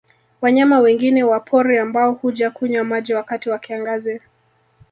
Wanyama wengine wa pori ambao huja kunywa maji wakati wa kiangazi